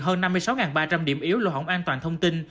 hơn năm mươi sáu ba trăm linh điểm yếu lộ hỏng an toàn thông tin